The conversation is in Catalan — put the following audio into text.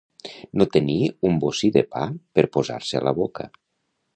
No tenir un bocí de pa per posar-se a la boca.